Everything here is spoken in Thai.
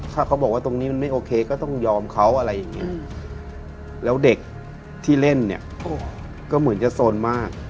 เขาบอกว่าตรงนี้มันไม่โอเคก็ต้องยอมเขาอะไรอย่างเงี้ยอืม